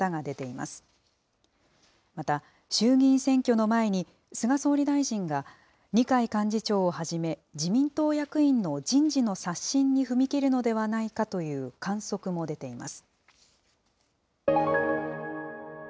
また、衆議院選挙の前に、菅総理大臣が二階幹事長をはじめ、自民党役員の人事の刷新に踏み切るのではないかという観測も出ています。